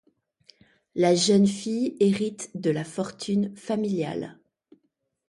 La jeune fille hérite de la fortune familiale.